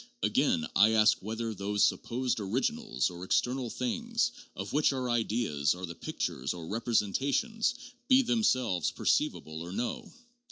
Again, I ask whether those supposed originals or external things, of which our ideas are the pictures or representations, be themselves perceivable or no?